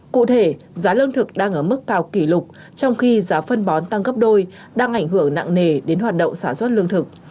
cụ thể giá lương thực đang ở mức cao kỷ lục trong khi giá phân bón tăng gấp đôi đang ảnh hưởng nặng nề đến hoạt động sản xuất lương thực